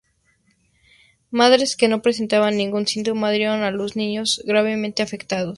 Madres que no presentaban ningún síntoma dieron a luz niños gravemente afectados.